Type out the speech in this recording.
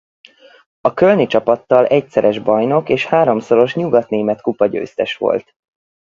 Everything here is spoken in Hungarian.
A kölni csapattal egyszeres bajnok és háromszoros nyugatnémet kupa-győztes volt.